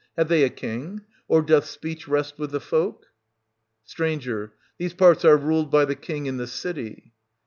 Have they a king ? Or doth speech rest with the folk ? St. These parts are ruled by the king in the city.